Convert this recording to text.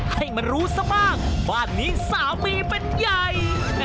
ให้มันรู้ซะบ้างบ้านนี้สามีเป็นใหญ่